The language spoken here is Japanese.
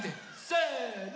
せの！